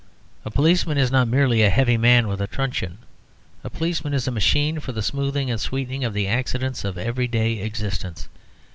A policeman is not merely a heavy man with a truncheon: a policeman is a machine for the smoothing and sweetening of the accidents of everyday existence.